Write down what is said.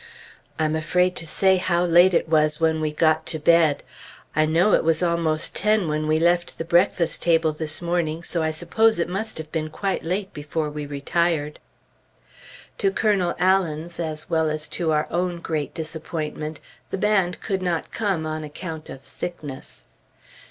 I am afraid to say how late it was when we got to bed. I know it was almost ten when we left the breakfast table this morning, so I suppose it must have been quite late before we retired. To Colonel Allen's, as well as to our own great disappointment, the band could not come on account of sickness.